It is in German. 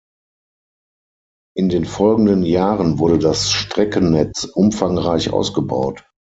In den folgenden Jahren wurde das Streckennetz umfangreich ausgebaut.